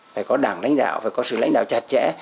phải có đảng lãnh đạo phải có sự lãnh đạo chặt chẽ